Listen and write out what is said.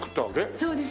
そうです。